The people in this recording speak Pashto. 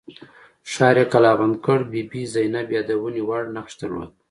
ښار یې کلابند کړ بي بي زینب یادونې وړ نقش درلود.